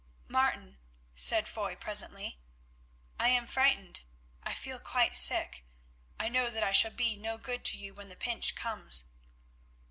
"Martin," said Foy presently, "I am frightened. I feel quite sick. I know that I shall be no good to you when the pinch comes."